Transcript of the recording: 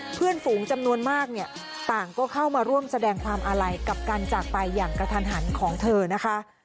เพื่อนฝูงจำนวนมากเนี่ยต่างก็เข้ามาร่วมแสดงความอาลัยกับการจากไปอย่างกระทันหันของเธอนะคะ